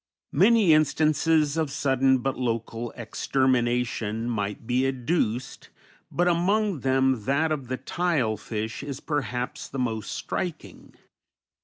Many instances of sudden but local extermination might be adduced, but among them that of the tile fish is perhaps the most striking.